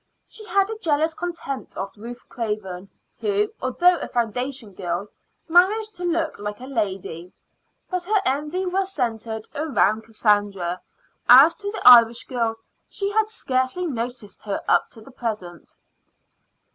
She had a jealous contempt of Ruth Craven, who, although a foundation girl, managed to look like a lady; but her envy was centered round Cassandra. As to the Irish girl, she had scarcely noticed her up to the present.